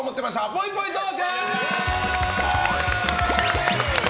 ぽいぽいトーク！